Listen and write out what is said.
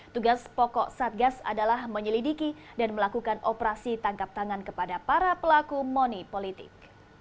tugas pokok satgas adalah menyelidiki dan melakukan operasi tangkap tangan kepada para pelaku monipolitik